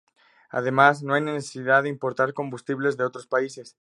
Además, no hay necesidad de importar combustibles de otros países.